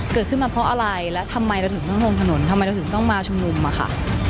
เกิดขึ้นมาเพราะอะไรและทำไมเราถึงต้องลงถนนทำไมเราถึงต้องมาชุมนุมอะค่ะ